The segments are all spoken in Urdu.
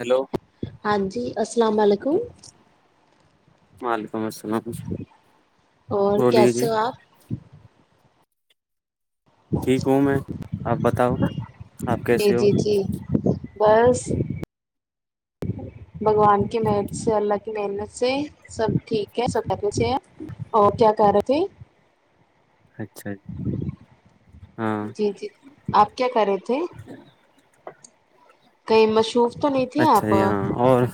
ہیلو ہاں جی السلام علیکم وعلیکم السلام اور بولیے جی کیسے ہو آپ ٹھیک ہوں میں آپ بتاؤ آپ جی کیسے ہو جی جی بس بھگوان کی محنت سے اللہ کی محنت سے سب ٹھیک ہے سب کرنی چاہیے اور کیا کر رہے تھے اچھا جی ہاں جی جی آپ کیا کریں ج تھے کہیں مصروف تو نہیں تھے اچھا آپ جی ہاں اور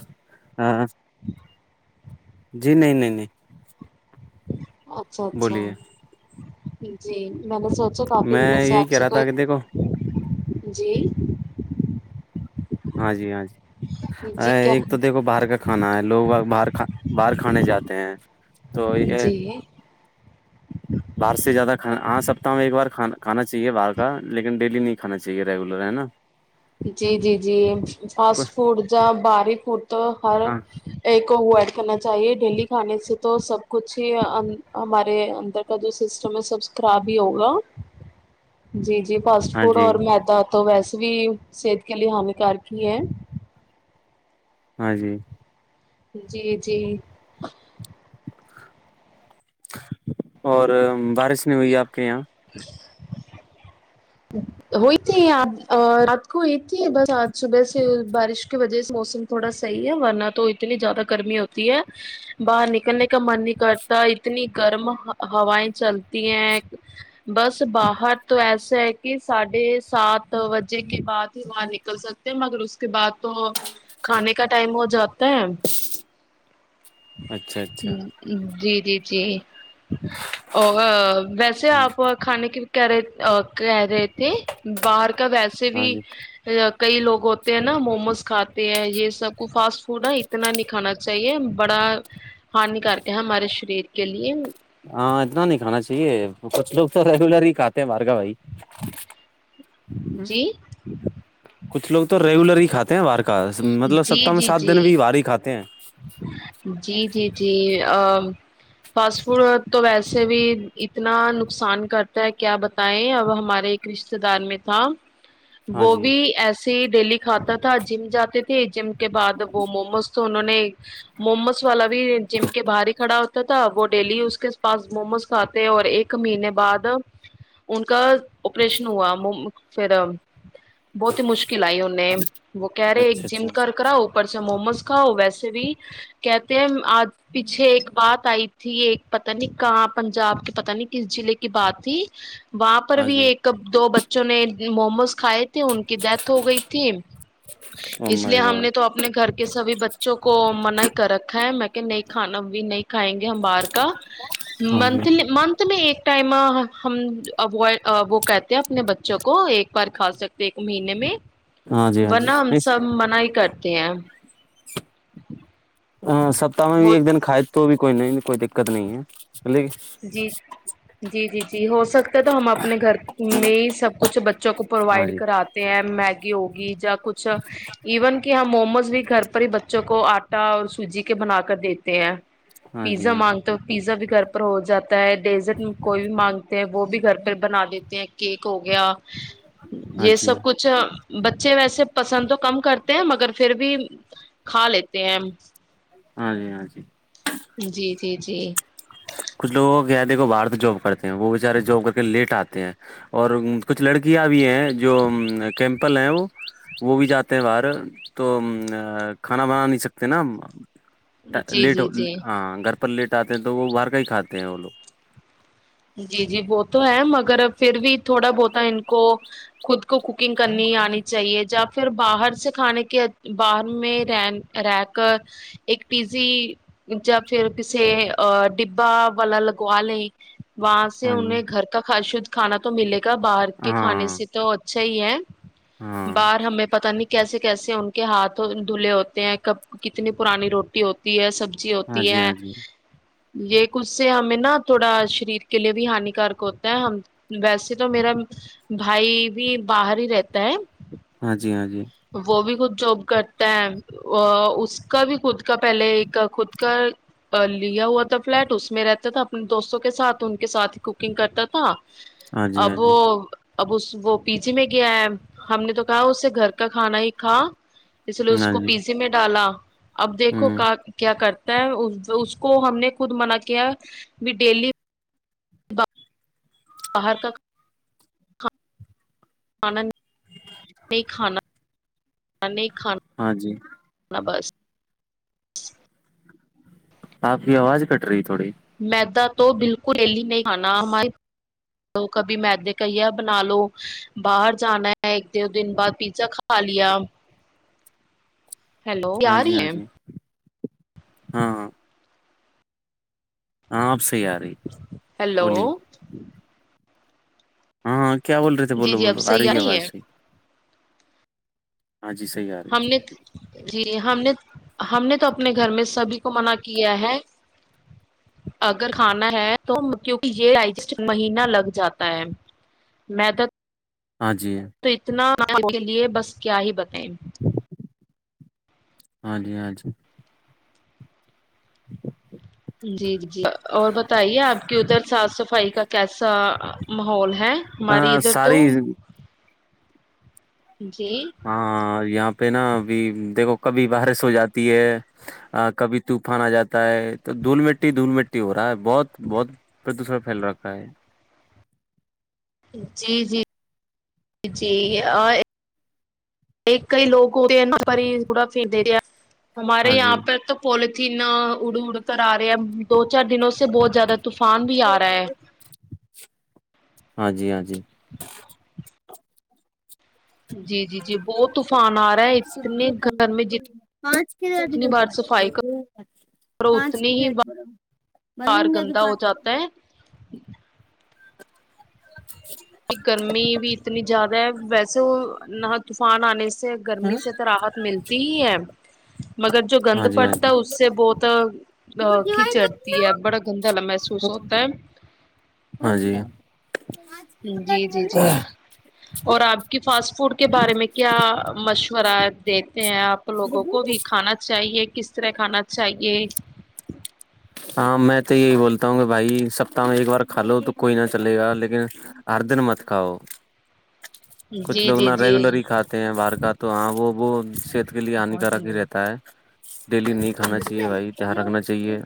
جی نہیں نہیں نہیں اچھا اچھا بولیے جی میں نے سو میں یہی کہہ رہا تھا کہ دیکھو جی ہاں جی ہاں جی جی کیا ایک تو دیکھو باہر کا کانا ہے لوگ باہر کا باہر کھانے جاتے ہیں تو یہ جی باہر سے زیادہ کھانا ہاں ہفتہ میں ایک بار کھانا کھانا چاہیے باہر کا لیکن ڈیلی نہیں کھا چاہیے ریگولر ہے نا جی جی جی فاسٹ فوڈ جہاں باریک تو ہر ہاں ایک ہوا کرنا چاہیے ڈیلی کھانے سے تو سب کچھ ہی ہمارے اندر کا جو سسٹم ہے سب خراب ہی ہوگا جی جی فاسٹ ہاں فوڈ جی اور میں تو ویسے بھی صحت کے لیے ہانی کار ک ہی ہیں ہاں جی جی جی اور بارش نہیں ہوئی ہے آپ کے یہاں ہوئی تھی آ رات کو ہوئی تھی بس آج صبح سے بارش کی وجہ سے موسم تھوڑا صحیح ہے ورنہ تو اتنی زیادہ گرمی ہوتی ہے باہر نکلنے کا من نہیں کرتا اتنی گرم ہوائیں چلتی ہیں بس باہر تو ایسے ہے کہ ساڑھے سات بجے کے بعد ہی وہاں نکل سکتے ہیں مگر اس کے بعد تو کھانے کا ٹائم ہو جاتا ہے ہاں اچھا اچھا جی جی جی ویسے آپ کھانے کی [unintelligible] [unintelligible] کب ویسے بھی ہاں جی کئی لوگ ہوتے ہیں نا موموز کھاتے ہیں یہ سب کو فاسٹ فوڈ ہے اتنا نہیں کھانا چاہیے بڑا ہانیکارک ہے ہمارے شریر کے لیے ہاں اتنا نہیں کھا چاہیے کچھ لوگ تو ریگولر ہی کھاتے مار ے گا بھائی جی کچھ لگ تو ریگولر ہی کات ہیں بار مطلب سپتہ جی میں جی سات جی دن بھی بھاری کاتے ہیں جی جی جی فاسٹ فوڈ تو ویسے بھی اتنا نقصان کرتا ہے کیا بتائیں اب ہمارے ایک رشتے دار میں تھا ہاں وہ جی بھی ایسی ڈہلی کھاتا تھا جم جاتے تھے جم کے بعد وہ موموز تو انہوں نے موموز والا بھی جم کے باہر ہی کھڑا ہوتا تھا وہ ڈیلی اس کے پاس موموز کھاتے اور ایک مہینے بعد ان کا آپریشن ہوا پھر بہت ہی مشکل آئی انیں وہ کہہ رہے ایک اچھا جم اچھا کر کرا اوپر سے موموز [unintelligible] کہتے ہیں آج پیچھے ایک بات آئی تھی ایک پت نہیں کہاں پنجاب کی پت نہیں کس ضلعے کی بات تھی وہاں پر ہاں بھی جی ایک دو بچ نے موز [inaudible] کھائے تھے ان کی ڈیتھ ہو گئی تھی او اس لیے مائی ہم گاڈ نے تو اپنے گھر کے سبھی ب کو من ہی کر رکھا ہے میں کہ نہیں کھانا بھی نہیں کھائیں گے ہم باہر کا ہاں جی منتھلی منتھ میں ایک ٹائم ہم وہ کہتے ہیں اپنے بچوں کو ایک بار کھا سکتے ایک مہینے میں ہاں جی ہاں ورنہ جی ہم سب منع ہی کرتے ہیں ہ [unintelligible] ہ سپتاہ میں بھی ایک دن کھائے تو بھی کوئی نہیں نہیں کوئی دقت نہیں ہے لیکن جی جی جی جی ہو سکتا ہے تو ہم اپنے گھر میں ہی سب کچھ بچوں کو ہاں پرووائڈ جی کراتے ہیں می ہوگی ج [unintelligible] کچھ ایون کہ ہم موموز بھی گھر پر ہی ب [unintelligible] بچوں کو آٹا اور سوجی کے بنا کر دیتے ہیں ہاں جی پیزا ہاں جی مانگتا ہو پیزا بھی گھر ہو جاتا ہے ڈیزٹ کوئی بھی مانگتے ہیں وہ بھی گھر پہ پھر بنا دیتے ہیں کیک ہو گیا ہاں یہ جی سب کچھ بچے ویسے پسند تو کم کرتے ہیں مگر پھر بھی کھا لیتے ہیں ہاں جی ہاں جی جی جی جی کچھ لوگوں کی یا دیک کہ وہ باہر تو جاب کرتے ہیں وہ بچارے جاب کر کے لیٹ آتے ہیں اور کچھ لڑکیاں بھی ہیں جو کیمپل ہیں وہ وہ بھی جاتے ہیں باہر تو کھانا بنا نہیں سکتے نا جی لیٹو جی جی ہاں گر لیٹ آتے تو وہ باہر ک کھاتے ہیں وہ لوگ جی جی وہ تو ہے مگر پھر بھی تھوڑا بہت ان کو خود کو کوکنگ کرنی آنی چاہیے جیا پھر باہر سے کھانے کے باہر میں رہ رہ کر ایک پیزی یا پھر کے ڈبا والا لگوا لیں وہاں سے ہاں جی انہیں گھر کا کاد ش کھانا تو ملے باہر کے کھانے ہاں سے تو چاہیے ہاں باہر ہمیں پتا نہیں کیسے کیسے ان کے ہاتھ دھلے ہوتے ہیں کب کتنی پرانی روٹی ہوتی ہے سبی اچھی ہاں ہوتی جی ہے ہاں جی یہ ک سے ہمیں نا تھوڑا شریر کے لیے بھی ہانیکارک ہوتا ہے ہم ویسے تو میرا بھائی بھی باہر ہی رہتا ہے ہاں جی ہاں جی وہ بھی خود جاب کرتا ہے اس کا بھی خود کا پہلے ایک خود کا لیا ہوا تھا فلیٹ اس میں رہتا تھا اپنے دوستوں کے ساتھ ان کے ساتھ کوکنگ کرتا تھا ہاں جی ہاں ابو جی اب اس وہ پیچے میں گیا ہے ہم نے تو کہا اس سے گھر ککا کھانا ہی کھا اس لیے اس ہاں کو جی پیسے میں ڈالا اب دیکھو ہ کیا کر اس کو ہم نے خود منع کیا بھی ڈیلی [inaudible] باہر کا [inaudible] ہاں جی بس آپ کی آواز کٹ رہی تھی میدا تو بالکل ریلی نہیں کھانا ہمارے کبھی میدے کایا بنا لو باہر جانا ہے ایک دو دن بعد پیزا کھا لیا ہیلو کیا ہاں رہ ہی جی ہاں ہے جی ہاں ہاں ہاںپ تیاری ہیلو بولیے ہاں ہاں کیا بول رہے تھے جی بولو جی اب بولو آ صحیح رہی ہے بائی صی آ رہی ہم ہے نے جی ہم نے ہم نے تو اپنے گھر میں سبھی کو منع کیا ہے اگر کھانا ہے تو کیونکہ یہسٹ مہینہ لگ جاتا ہے مید ہاں جی کے لیئے بس کیا ہی بتائیں ہاں جی ہاں جی اچ [inaudible] [inaudible] جی جی اور بتائیے آپ کی ادھر صاف صفائی کا کیسا ماحول ہے ہماری آ، ادھر تو ساری جی ہاں یہاں پہ نا ابھی دیکھو کبھی بارش ہو جاتی ہے کبھی طوفان آ جاتا ہے تو دھول مٹی دھول مٹی ہو رہا ہے بہت بہت پر [unintelligible] ت سر پھیل رکھا ہے [inaudible] جی جی جی ایک کئی لوگ ہوتےئے پر ہی تھڑا پھر د رہیا [unintelligible] [inaudible] ہمارے ہاں یہاں جی پہ تو پول تین اڑ اڑ کر آ رہے ہیں دو چار دنوں سے بہت زیادہ [unintelligible] طوفان بھی آ رہا ہے ہاں جی ہاں جی جی جی جی بہت طوفان آ رہا ہے اتنے گھر میں ج اتنی بار صفائی کرو اتنی ہی بار بار گندا ہو جاتا ہے ج [inaudible] گرمی بھی اتنی زیادہ ہے ویسے وہ نہ طوفان آنے سے سے گرمی سے تو راہت ملتی تینین [unintelligible] مگر جو گند ہاں جی ہاں پڑتا جی ہے اس سے بہت کیچڑھ جاتا ہے بڑا گندا محسوس ہوتا ہے ہاں جی جی جی جی اور آپ کی فاسٹ فوڈ کے بارے میں کیا مشورہ د آپ لوگوں کو بھی کھانا چاہیے کس طرح کھانا چاہیے ہاں میں تو یہی بولتا ہوں کہ بھائی سپتاہ میں ایک بار کھا لو تو کوئی نہ چلے گا لیکن ہر دن مت کھاؤ کچھ جی لوگ جی نا جی ریگولر ہی کھاتے ہیں باہر کا تو ہاں وہ وہ صحت کے لیے ہانیکار نہیں رہتا ہے [inaudible] ڈیلی نہیں کھانا چاہیے بھائی دیان رکھنا چاہی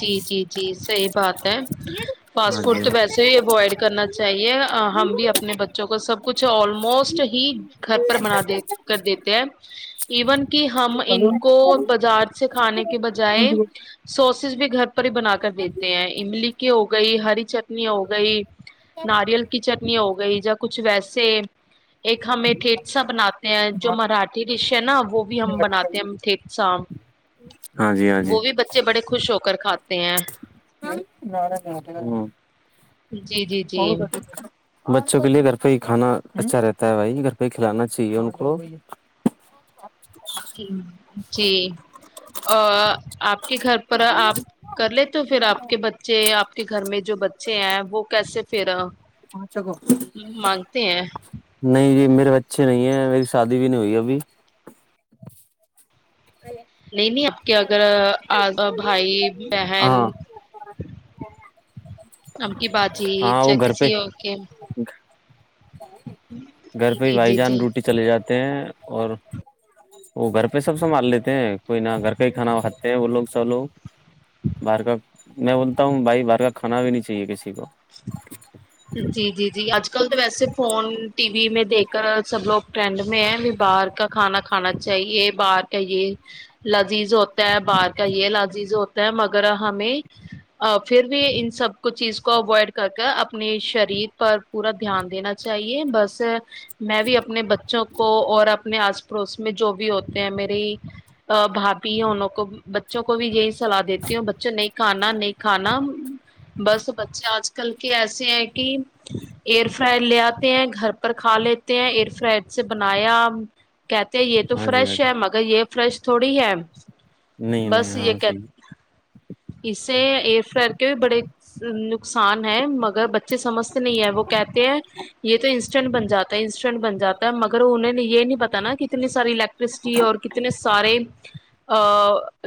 جی جی جی صحیح بات ہے ہاں فاسٹ فوڈ تو ویسے ہی اوائڈ کرنا چاہیے ہم بھی اپنے بچوں کو سب کچھ آلموسٹ ہی گھر پر بنا دے کر دیتے ہیں ایون کہ ہم ان کو بازار سے کھانے کے بجائے سوسز بھی گھر ہی بنا کر دیتے ہیں املی کے ا گئی ہری چٹنی ہو گئی ناریل کی چٹنی ہو گئی یا کچھ ویسے ایک ہمیں ٹھیتسا بناتے ہیں جو مراٹھی ڈش ہے نا وہ بھی ہم بناتے ہیں ھیتسا وہ بھی خوش ہو کر کھاتا نار جی جی جی اور بچا [unintelligible] پہ لیے گھر پہ ہی کھانا اچھا رہتا ہے بھائی گھر پہ ہی کھلانا چاہیے ان کو ہی [unintelligible] جی اور آپ کے گھر پر آپ کر لے تو پھر آپ کے بچے آپ کے گھر میں جو بچے ہیں وہ کیسے پھر مانگتے ہیں نہیں یہ میرے ب اچھے نہیں ہے میری شادی بھی نہیں ہوئی ابھی نہیں نہیں کہ اگر آ بھائی بہن ہاں ا کی باجی ہاں وہ چاہ گھر پہ کسی اور کے گھر پہ ہی جی بھائی جی جان جی ڈیوٹی چلے جاتے ہیں اور وہ گھر پہ سب سنبھال لیتے ہیں کوئی نہ گھر کئی کھانا کھاتے ہیں وہ لوگ چلو باہر کا میں بولتا ہوں بھائی باہر کا کھانا بھی نہیں چاہیے کسے جی جی جی اج آج کل تو ویسے فون ٹی وی میں دیکھ کر سب لوگ ٹرینڈ میں ہے بھی باہر کا کھانا کھانا چاہیے باہر کا یہ لذیذ ہوتا ہے باہر کا یہ لذیذ ہوتا ہے مگر ہمیں پھر بھی ان سب کچھ چیز کو کو اوائڈ کر کر اپنے شریر پر پورا دھیان دینا چاہیے بس میں بھی اپنے بچوں کو کو اور اپنے آس پڑوس میں جو بھی ہوتے ہیں میری بھابھی ہے انوں کو بچوں کو بھی یہی سلاح دیتی ہوں بچے نہیں کھانا نہیں کھانا بس بچے آج کل کے ایسے ہیں کہ ایئر فرائڈ لے آتے ہیں گھر پر کھا لیتے ہیں ایئر فرائڈ سے بنایا کہتے ہیں یہ تو ہاں جی ہاں فریش ہے مگر یہ فریش تھوڑی ہے نہیں نہیں ہاں صحی اسے ایر فر کے بھی بڑے نقصان ہے مگر بچے سمجتے نہیں ہے وہ کہتے ہیں یہ تو انسٹنٹ بن جاتا ہے انسٹنٹ بن جاتا ہے مگر انہیں یہ نہیں پتا نا کہ اتنی ساری الیکٹ سٹی اور کتنے سارے ا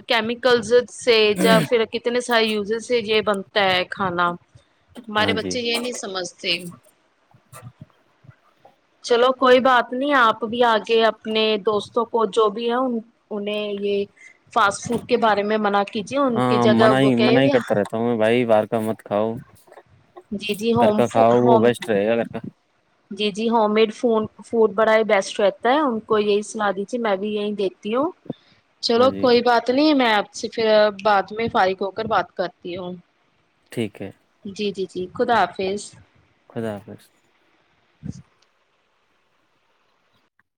کیم [unintelligible] گز سے یا پھر کتنے ا یوزز ہے یہ بنتا ہے کھانا ہاں ہمارے جی بچے یہ نہیں سمجھتے چلو کوئی بات نہیں آپ بھی آگے اپنے دوستوں کو جو بھی ہے ان انہیں یہ فاسٹ فوڈ کے بارے میں منع کیجیے ان کی ہاں جگہ منع وہ ہی کہے منع ہی ب کرتا رہتا ہوں میں بھائی باہر مت کھاؤ گھر ہوم کا کھاؤ وہ ہوم بیسٹ رہے گا گھر کا جی جی ہوم میڈ ف فوڈ بڑا ہی بیسٹ رہتا ہے ان کو یہی سلا دیجیے میں بھی یہی دیتی ہوں چلو ہاں جی کوئی بات نہیں میں اب سے پھر بعد میں فارغ ہو کر بات کرتی ہوں ٹھیک ہے جی جی [inaudible] جی خدا حافظ خدا حافظ بس [inaudible]